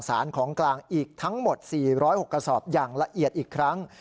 สารของกลางอีกทั้งหมด๔๐๖กระสอบอย่างละเอียดอีกครั้ง